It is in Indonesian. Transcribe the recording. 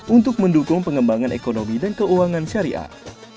untuk mendukung pengembangan ekonomi dan keuangan syariah